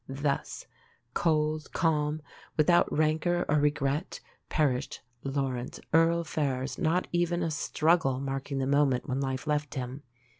Thus, cold, calm, without rancour or regret, perished Laurence, Earl Ferrers, not even a struggle marking the moment when life left him.